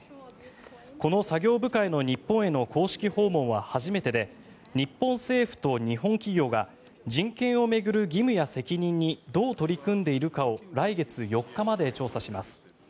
この作業部会の日本への公式訪問は初めてで日本政府と日本企業が人権を巡る義務や責任にどう取り組んでいるかを来月４日まで調査します。